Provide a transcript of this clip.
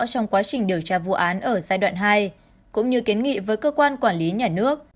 trong quá trình điều tra vụ án ở giai đoạn hai cũng như kiến nghị với cơ quan quản lý nhà nước